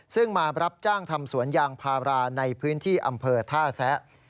ซึ่งมารับจ้างทำสวนยางพาราในพื้นที่อำเภอท่าแซะ